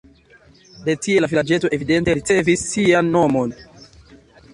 De tie la vilaĝeto evidente ricevis sian nomon.